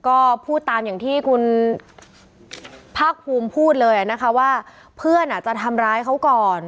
ก็พูดตามอย่างที่คุณภาคภูมิพูดเลยนะคะว่าเพื่อนจะทำร้ายเขาก่อน